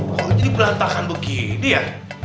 kok jadi perlantakan begini ya